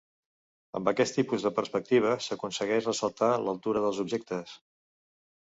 Amb aquest tipus de perspectiva, s'aconsegueix ressaltar l'altura dels objectes.